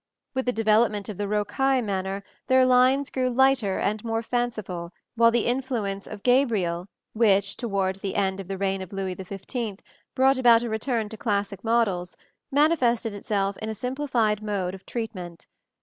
With the development of the rocaille manner their lines grew lighter and more fanciful, while the influence of Gabriel, which, toward the end of the reign of Louis XV, brought about a return to classic models, manifested itself in a simplified mode of treatment.